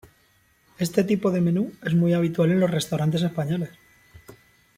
Este tipo de menú es muy habitual en los restaurantes españoles.